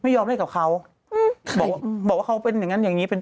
ไม่ยอมเล่นกับเขาอืมเบาว่าเขาเป็นเงี้ยงั้นอย่างนี้เป็น